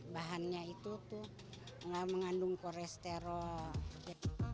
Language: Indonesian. bahannya itu tuh nggak mengandung koresterol